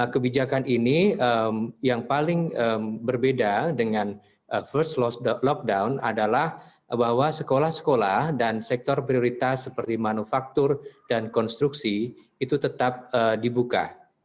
kebijakan ini yang paling berbeda dengan first lockdown adalah bahwa sekolah sekolah dan sektor prioritas seperti manufaktur dan konstruksi itu tetap dibuka